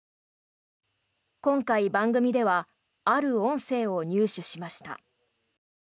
今回、番組ではある音声を入手しました。